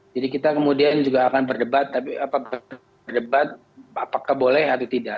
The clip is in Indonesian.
jadi kita kemudian juga akan berdebat apakah boleh atau tidak